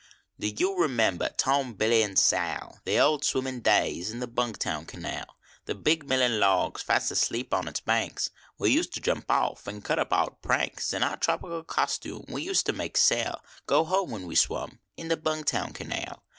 Do you remember Tom, Billy, and Sal. The old swimmin days in the Bungtown canal? The big millin logs fast asleep on its banks, We used to jump off of and cut up odd pranks In our tropical costume. We used to make Sal Go home when we swum in the Bung Town Canal.